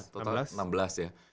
tim ya enam belas ya